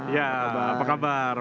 ya apa kabar